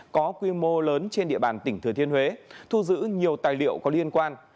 có quy mô lớn trên địa bàn tỉnh thừa thiên huế thu giữ nhiều tài liệu có liên quan